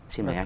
xin mời anh